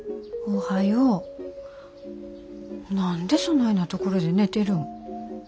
おはよう。何でそないな所で寝てるん。